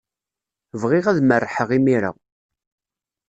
Bɣiɣ ad merrḥeɣ imir-a.